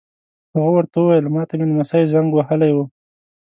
هغه ور ته وویل: ما ته مې نمسی زنګ وهلی و.